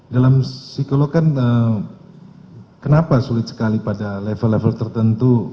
dalam psikolog kan kenapa sulit sekali pada level level tertentu